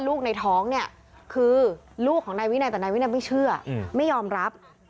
ลูกในท้องเนี่ยคือลูกของนายวินัยแต่นายวินัยไม่เชื่อไม่ยอมรับ